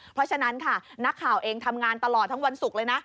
เพราะฉะนั้นค่ะนักข่าวเองทำงานตลอดทั้งวันศุกร์เลยนะ